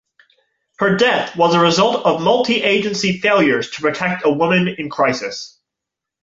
Her death was a result of multi-agency failures to protect a woman in crisis.